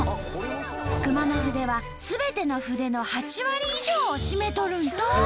熊野筆はすべての筆の８割以上を占めとるんと！